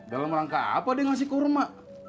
dalam rangka apa dia ngasih kurma